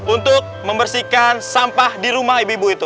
untuk membersihkan sampah di rumah ibu ibu itu